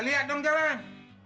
lihat dong jalan